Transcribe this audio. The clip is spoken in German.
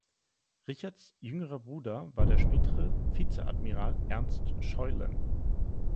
Richards jüngerer Bruder war der spätere Vizeadmiral Ernst Scheurlen.